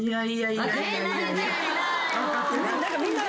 ないない